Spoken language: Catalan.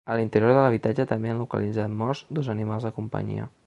A l’interior de l’habitatge també han localitzat morts dos animals de companyia.